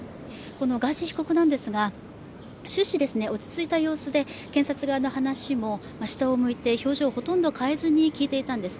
このガーシー被告なんですが終始、落ち着いた様子で、検察側の話も下を向いて、表情をほとんど変えずに聞いていたんです。